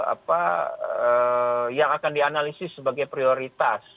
apa yang akan dianalisis sebagai prioritas